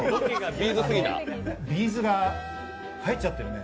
Ｂ’ｚが入っちゃってるね。